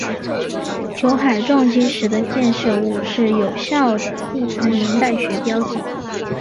酒海撞击时的溅射物是有效的地层年代学标记。